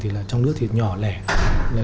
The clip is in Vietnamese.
thì là trong nước thì nhỏ lẻ